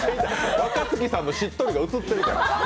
若槻さんのしっとりがうつってるから。